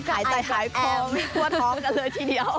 ายใจแถวพร้อมกลัวท้องกันเลยทีเดียว